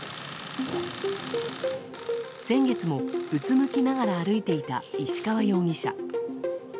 先月もうつむきながら歩いていた石川容疑者。